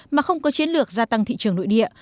mà không có chiến lược gia tăng thị trường nội địa